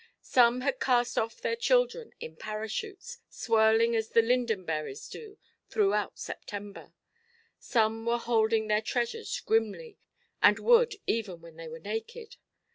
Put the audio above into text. Some had cast off their children in parachutes, swirling as the linden berries do throughout September; some were holding their treasures grimly, and would, even when they were naked.